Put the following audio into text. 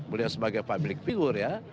beliau sebagai public figure ya